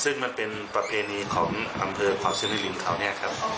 ซึ่งมันเป็นประเพณีของอำเภอขอบเชื้อในหลิงเขาเนี่ยครับ